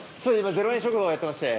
０円食堂やってまして。